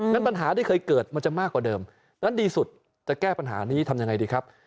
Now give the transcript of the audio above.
ปัญหาที่เคยเกิดมันจะมากกว่าเดิมนั้นดีสุดจะแก้ปัญหานี้ทำยังไงดีครับ